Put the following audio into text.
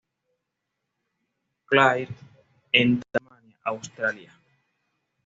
Clair en Tasmania, Australia.